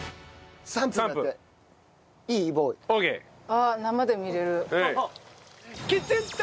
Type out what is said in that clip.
あっ生で見れる。